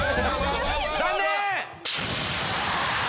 残念！